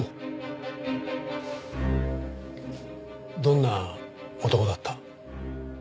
どんな男だった？